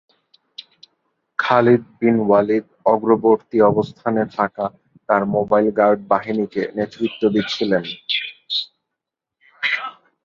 Khalid bin Walid অগ্রবর্তী অবস্থানে থাকা তার মোবাইল গার্ড বাহিনীকে নেতৃত্ব দিচ্ছিলেন।